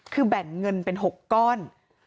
คือแบ่งเงินเป็น๖ก้อน